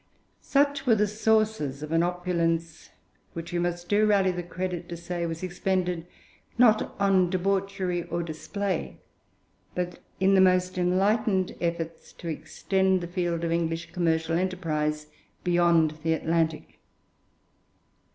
Such were the sources of an opulence which we must do Raleigh the credit to say was expended not on debauchery or display, but in the most enlightened efforts to extend the field of English commercial enterprise beyond the Atlantic.